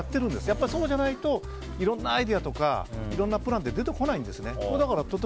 やっぱりそうじゃないといろんなアイデアとかいろんなプランが出てこないんですね。